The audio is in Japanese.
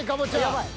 やばい。